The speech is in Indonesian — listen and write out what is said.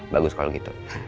bagus kalau gitu